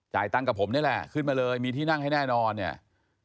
ตังค์กับผมนี่แหละขึ้นมาเลยมีที่นั่งให้แน่นอนเนี่ย